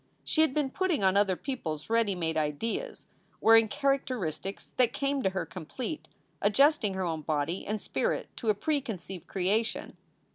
She had been putting on other people s ready made ideas, wearing characteristics that came to her complete, adjusting her own body and spirit to a preconceived creation.